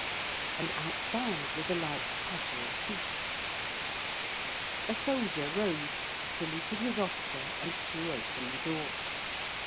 And outside was a light patter of feet. A soldier rose saluted his officer and threw open the door.